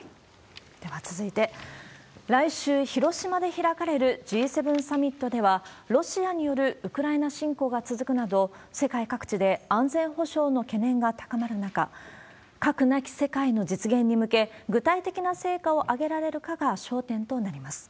では続いて、来週、広島で開かれるＧ７サミットでは、ロシアによるウクライナ侵攻が続くなど、世界各地で安全保障の懸念が高まる中、核なき世界の実現に向け、具体的な成果を上げられるかが焦点となります。